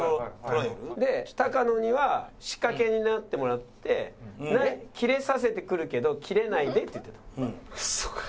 で高野には仕掛け人になってもらってキレさせてくるけどキレないでって言ってたの。